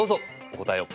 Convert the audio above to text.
お答えを。